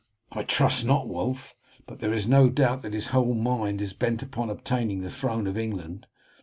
"I trust not, Wulf, but there is no doubt that his whole mind is bent upon obtaining the throne of England.